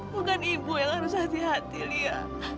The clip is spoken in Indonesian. bukan ibu yang harus hati hati lia